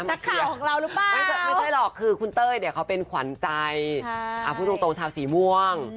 นักข่าวของเราหรือเปล่าไม่ใช่หรอกคือคุณเต้ยเนี่ยเขาเป็นขวัญใจพูดตรงชาวสีม่วง